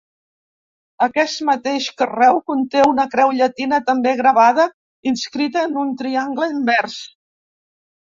Aquest mateix carreu conté una creu llatina, també gravada, inscrita en un triangle invers.